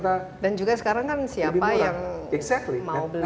dan juga sekarang kan siapa yang mau beli cd dan lain sebagainya